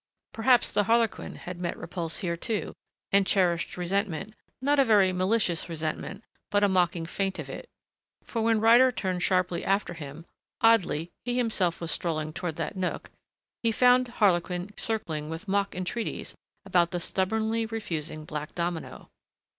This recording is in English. Perhaps the Harlequin had met repulse here, too, and cherished resentment, not a very malicious resentment but a mocking feint of it, for when Ryder turned sharply after him oddly, he himself was strolling toward that nook he found Harlequin circling with mock entreaties about the stubbornly refusing black domino.